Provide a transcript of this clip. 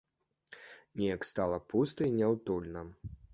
Неяк стала пуста і няўтульна.